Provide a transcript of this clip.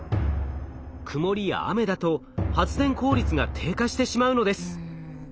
曇りや雨だと発電効率が低下してしまうのです。